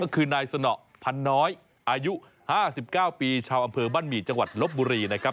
ก็คือนายสนพันน้อยอายุ๕๙ปีชาวอำเภอบ้านหมี่จังหวัดลบบุรีนะครับ